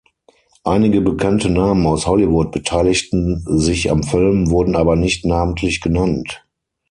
Einige bekannte Namen aus Hollywood beteiligten sich am Film, wurden aber nicht namentlich genannt.